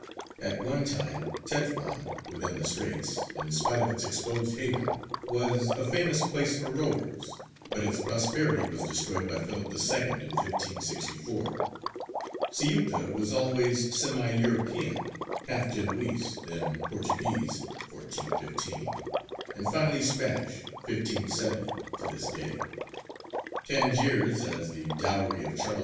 At one time Tetwān, within the Straits, in spite of its exposed haven, was a famous place for rovers, but its prosperity was destroyed by Philip II. in 1564. Ceuta was always semi European, half Genoese, then Portuguese (1415), and finally Spanish (1570 to this day). Tangiers, as the dowry of Charles II.'